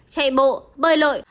chạy bộ bơi lội